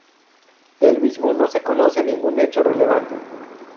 Del mismo no se conoce ningún hecho relevante.